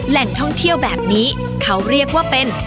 แหล่งท่องเที่ยวแบบนี้เขาเรียกว่าเป็น